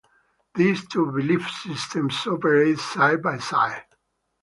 These two belief systems operate side by side.